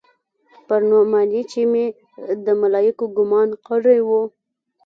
پر نعماني چې مې د ملايکو ګومان کړى و.